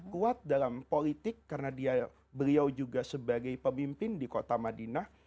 kuat dalam politik karena beliau juga sebagai pemimpin di kota madinah